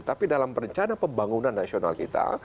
tapi dalam rencana pembangunan nasional kita